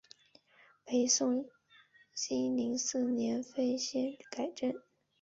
北宋熙宁四年废县改镇。